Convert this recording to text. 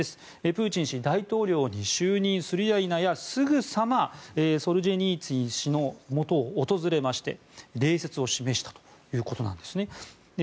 プーチン大統領大統領に就任するやいなやすぐさまソルジェニーツィン氏のもとを訪れまして礼節を示したということです。